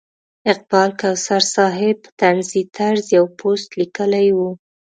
اقبال کوثر صاحب په طنزي طرز یو پوسټ لیکلی و.